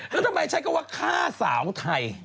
แล้วทำไมใช้คำว่าฆ่าสาวไทย